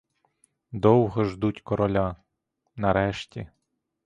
Довго ждуть короля, — нарешті!